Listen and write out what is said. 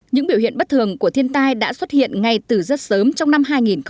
những biểu hiện bất thường của thiên tai đã xuất hiện ngay từ rất sớm trong năm hai nghìn một mươi tám